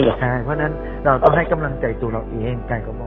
เพราะฉะนั้นเราต้องให้กำลังใจตัวเราเองกายเขามอง